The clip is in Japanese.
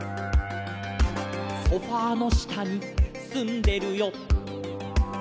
「ソファの下にすんでるよ」